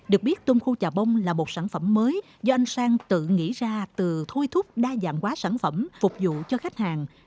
được biết tôm khu trà bông là một sản phẩm mới do anh sang tự nghĩ ra từ thôi thúc đa dạng quá sản phẩm phục vụ cho khách hàng